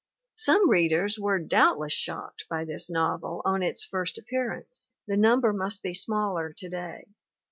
Some readers were doubt less shocked by this novel on its first appearance; the number must be smaller to day.